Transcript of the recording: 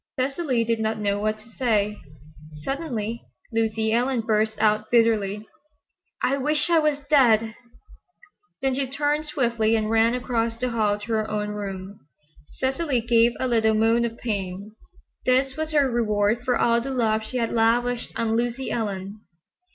Cecily did not know what to say. Suddenly Lucy Ellen burst out bitterly. "I wish I was dead!" Then she turned swiftly and ran across the hall to her own room. Cecily gave a little moan of pain. This was her reward for all the love she had lavished on Lucy Ellen.